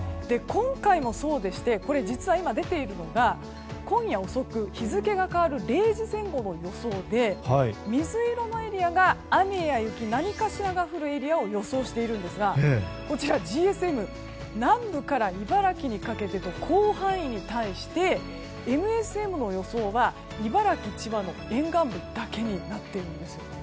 今回もそうでして実は今、出ているのが今夜遅く、日付が変わる０時前後の予想で水色のエリアが雨や雪何かしらが降るエリアを予想しているんですがこちらＧＳＭは南部から茨城にかけての広範囲に対してＭＳＭの予想が茨城、千葉の沿岸部だけです。